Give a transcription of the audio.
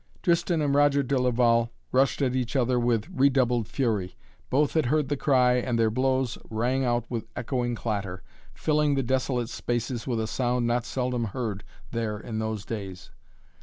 Tristan and Roger de Laval rushed at each other with redoubled fury. Both had heard the cry and their blows rang out with echoing clatter, filling the desolate spaces with a sound not seldom heard there in those days.